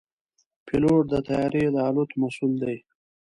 پيلوټ د طیارې د الوت مسؤل دی.